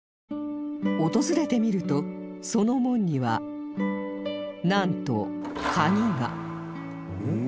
訪れてみるとその門にはなんとカギが